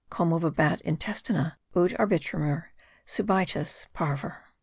Commovebat intestina (ut arbitramur) subitus pavor.